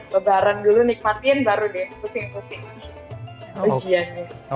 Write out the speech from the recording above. lebaran dulu nikmatin baru deh pusing pusing ujiannya